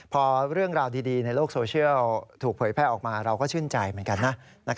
พอเรื่องราวดีในโลกโซเชียลถูกเผยแพร่ออกมาเราก็ชื่นใจเหมือนกันนะ